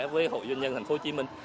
với hội doanh nhân tp hcm